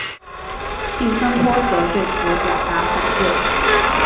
森信托则对此表达反对。